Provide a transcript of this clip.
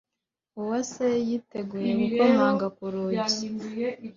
Uwase yongeye gukomanga ku rugi.